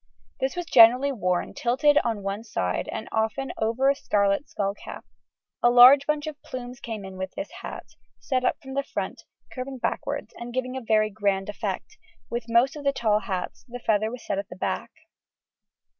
This was generally worn tilted on one side and often over a scarlet skull cap. A large bunch of plumes came in with this hat, set up from the front, curving backwards, and giving a very grand effect: with most of the tall hats the feather was set at the back.